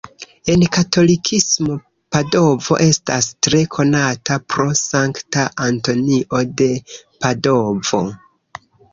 En katolikismo Padovo estas tre konata pro Sankta Antonio de Padovo.